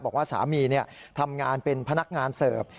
บอกว่าสามีทำงานเป็นพนักงานเสิร์ฟ